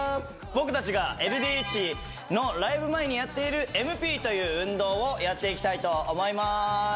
僕たちがＬＤＨのライブ前にやっているＭＰという運動をやっていきたいと思います